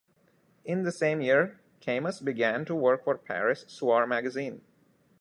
In the same year, Camus began to work for "Paris-Soir" magazine.